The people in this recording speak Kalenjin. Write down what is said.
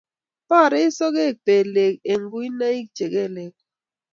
Borei sogek belek eng kuinoik che belekkwai